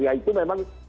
ya itu memang